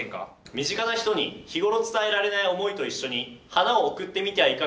身近な人に日頃伝えられない思いと一緒に花を贈ってみてはいかがですか？